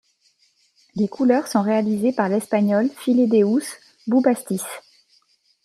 Les couleurs sont réalisées par l'Espagnol Felideus Bubastis.